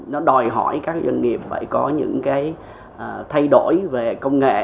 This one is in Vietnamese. nó đòi hỏi các doanh nghiệp phải có những cái thay đổi về công nghệ